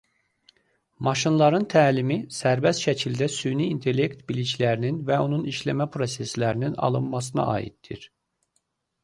Maşınların təlimi sərbəst şəkildə süni intellekt biliklərinin və onun işləmə proseslərinin alınmasına aiddir.